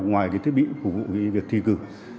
ngoài thiết bị phục vụ việc thi cử